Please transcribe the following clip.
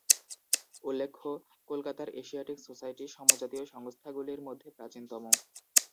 উল্লেখ্য, কলকাতার Asiatic Society সমজাতীয় সংস্থাগুলির মধ্যে প্রাচীনতম।